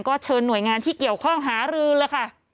ก็เชิญหน่วยงานที่เกี่ยวข้องหารือเลยค่ะ